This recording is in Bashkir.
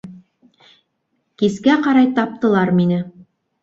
Кискә ҡарай таптылар мине.